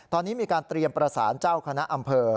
ตอนนี้มีการเตรียมประสานเจ้าคณะอำเภอ